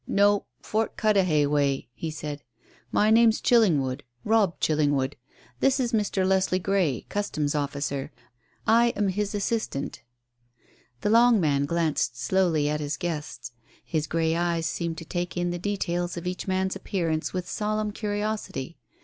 "No. Fort Cudahy way," he said. "My name's Chillingwood Robb Chillingwood. This is Mr. Leslie Grey, Customs officer. I am his assistant." The long man glanced slowly at his guests. His great eyes seemed to take in the details of each man's appearance with solemn curiosity.